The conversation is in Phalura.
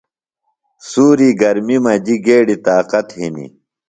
سُوری گرمیۡ مجیۡ گیڈیۡ طاقت ہِنیۡ۔